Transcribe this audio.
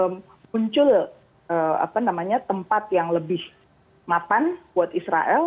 kemudian muncul tempat yang lebih mapan buat israel